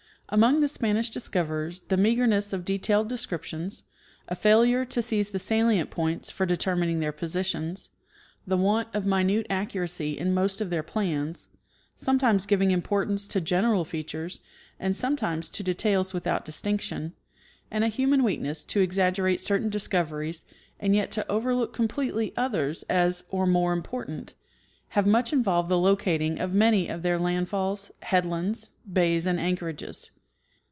Among the Spanish discoverers the meagerness of detailed descriptions, a failure to seize the salient points for determining their positions, the want of minute accurac}^ in most of their plans, sometimes giving importance to general features, and sometimes to details without distinction, and a human weakness to exaggerate certain discoveries, and yet to overlook completel}^ others as or more important, have much involved the locating of many of their landfalls, headlands, bays and anchorages.